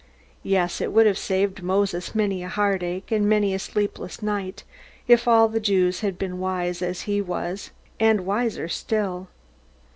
Yes; it would have saved Moses many a heartache, and many a sleepless night, if all the Jews had been wise as he was, and wiser still.